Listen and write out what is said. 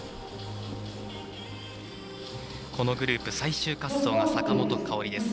このグループ最終滑走の坂本花織。